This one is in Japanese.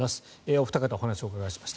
お二方にお話をお伺いしました。